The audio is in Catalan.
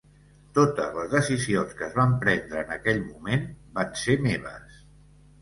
Totes les decisions que es van prendre en aquell moment van ser meves.